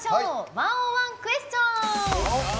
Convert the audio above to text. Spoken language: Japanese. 「１０１クエスチョン」！